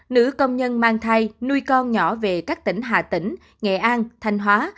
nữ công nhân mang thai nuôi con nhỏ về các tỉnh hà tĩnh nghệ an thanh hóa